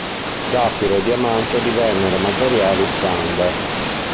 Zaffiro e diamante divennero materiali standard.